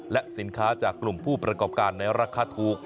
และสินค้าจากกลุ่มผู้ประกอบการในราคาถูก